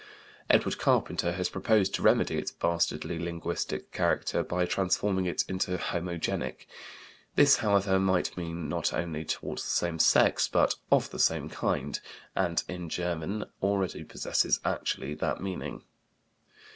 (Edward Carpenter has proposed to remedy its bastardly linguistic character by transforming it into "homogenic;" this, however, might mean not only "toward the same sex," but "of the same kind," and in German already possesses actually that meaning.)